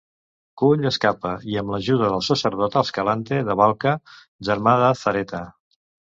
Kull escapa i amb l'ajuda del sacerdot Ascalante de Valka, germà de Zareta.